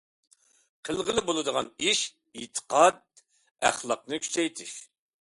قىلغىلى بولىدىغان ئىش ئېتىقاد، ئەخلاقنى كۈچەيتىش.